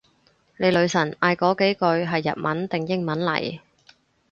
你女神嗌嗰幾句係日文定英文嚟？